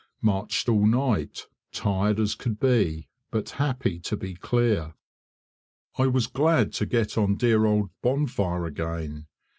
Marched all night, tired as could be, but happy to be clear. I was glad to get on dear old Bonfire again.